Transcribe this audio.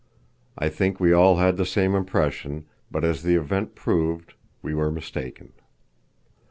I think we all had the same impression, but as the event proved, we were mistaken.